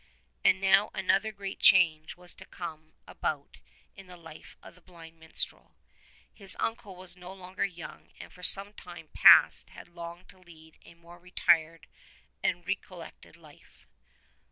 And now another great change was to come about in the life of the blind minstrel. His uncle was no longer young and for some time past had longed to lead a more retired and recollected life.